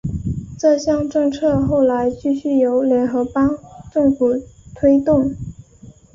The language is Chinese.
这项政策后来继续由联合邦政府推动。